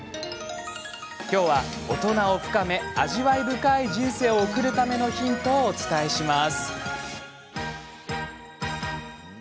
きょうは、大人を深め味わい深い人生を送るためのヒントをお伝えします。